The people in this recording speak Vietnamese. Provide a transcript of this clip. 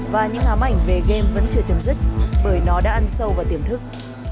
và những hám ảnh về game vẫn chưa chấm dứt bởi nó đã ăn sâu và tiềm thức